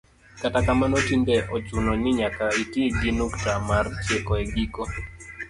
kata kamano tinde ok ochuno ni nyaka iti gi nukta mar tieko e giko